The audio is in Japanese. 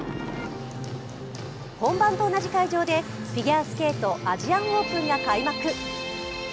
本番と同じ会場でフィギュアスケートアジアンオープンが開幕。